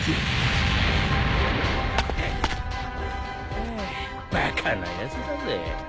ハァバカなやつだぜ。